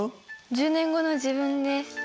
１０年後の自分です。